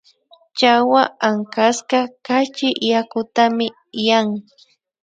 Chawa ankaska kachi yakutami yan